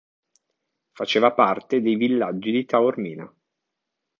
Faceva parte dei villaggi di taormina.